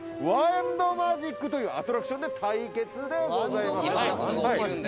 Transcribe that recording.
ワンド・マジックというアトラクションで対決でございます。